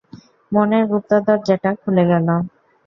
মনের গুপ্ত দরজাটা খুলে গেল!